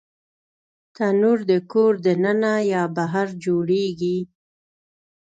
تنور د کور دننه یا بهر جوړېږي